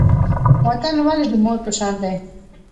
وطن ولې د مور په شان دی؟